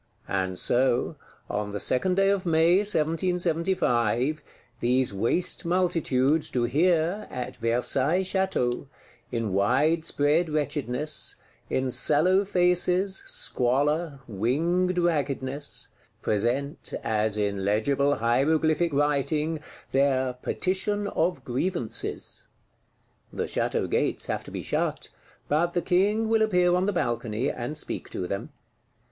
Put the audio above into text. And so, on the second day of May 1775, these waste multitudes do here, at Versailles Château, in wide spread wretchedness, in sallow faces, squalor, winged raggedness, present, as in legible hieroglyphic writing, their Petition of Grievances. The Château gates have to be shut; but the King will appear on the balcony, and speak to them.